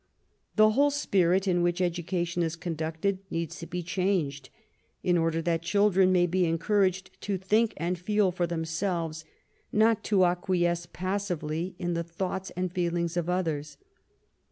The whole spirit in which education is conducted needs to be changed, in order that children may be encouraged to think and feel for themselves, not to acquiesce passively in the thoughts and feelings of others.